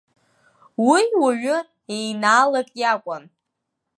Уи уаҩы еинаалак иакәын.